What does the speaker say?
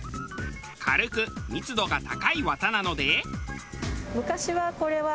軽く密度が高い綿なので。